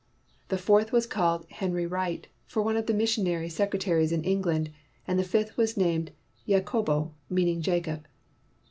The fourth was called Henry Wright, for one of the missionary secre taries in England ; and the fifth was named Yakobo, meaning Jacob.